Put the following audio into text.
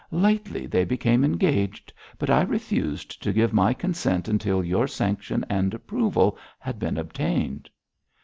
Lately they became engaged, but I refused to give my consent until your sanction and approval had been obtained.'